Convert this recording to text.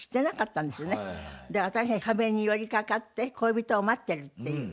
で私壁に寄りかかって恋人を待ってるっていうね。